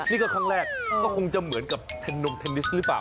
นี่ก็ครั้งแรกก็คงจะเหมือนกับเทนนงเทนนิสหรือเปล่า